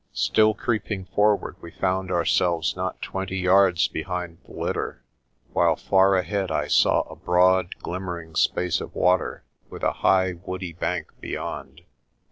Still creeping forward, we found ourselves not twenty yards behind the litter, while far ahead I saw a broad, glimmering space of water with a high woody bank beyond.